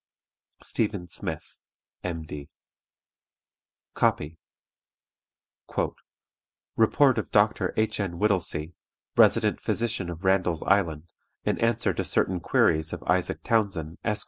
STEPHEN SMITH, M.D. (Copy.) "Report of Doctor H. N. WHITTELSEY, Resident Physician of Randall's Island, in answer to certain queries of ISAAC TOWNSEND, _Esq.